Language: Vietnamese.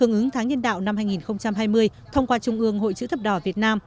hương ứng tháng nhân đạo năm hai nghìn hai mươi thông qua trung ương hội chữ thập đỏ việt nam